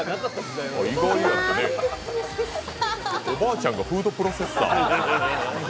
おばあちゃんがフードプロセッサー。